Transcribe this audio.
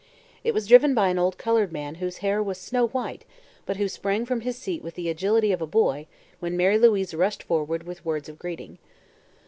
It was driven by an old colored man whose hair was snow white but who sprang from his seat with the agility of a boy when Mary Louise rushed forward with words of greeting.